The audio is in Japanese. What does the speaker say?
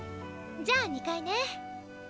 じゃあ２階ね。